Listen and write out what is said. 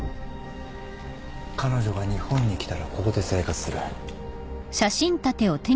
彼女が日本に来たらここで生活する。